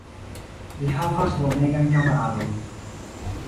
Li havas bonegajn kamaradojn.